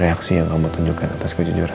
reaksi yang kamu tunjukkan atas kejujuran